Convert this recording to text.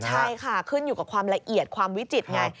ใช่ค่ะขึ้นอยู่กับความละเอียดความวิจิตรไง